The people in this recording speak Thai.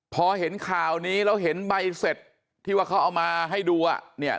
พอเห็นข่าวนี้แล้วเห็นใบเสร็จที่ว่าเขาเอามาให้ดูอ่ะ